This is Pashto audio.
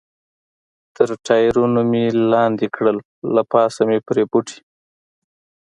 تر ټایرونو مې لاندې کړل، له پاسه مې پرې بوټي.